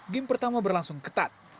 game pertama berlangsung ketat